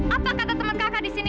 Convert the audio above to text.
apa kata temen kakak disini